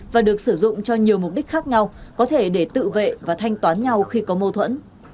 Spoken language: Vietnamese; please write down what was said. và được sử dụng cho nhiều mục đích khác nhau có thể để tự vệ và thanh toán nhau khi có mâu thuẫn